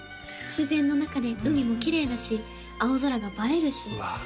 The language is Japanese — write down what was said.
自然の中で海もきれいだし青空が映えるしうわ